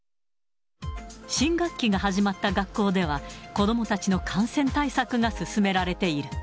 新学期が始まった学校では、子どもたちの感染対策が進められている。